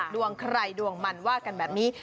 ดวงใครดวงมันว่ากันแบบนี้